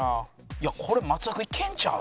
いやこれ松田君いけるんちゃう？